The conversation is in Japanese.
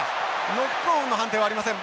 ノックオンの判定はありません。